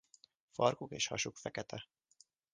Farkuk és hasuk fekete.